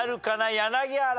柳原。